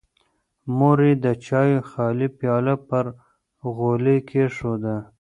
مور یې د چایو خالي پیاله پر غولي کېښوده.